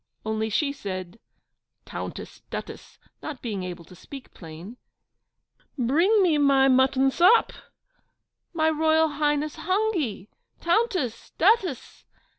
(Only she said 'Tountess, Duttess,' not being able to speak plain) 'bring me my mutton sop; my Royal Highness hungy! Tountess! Duttess!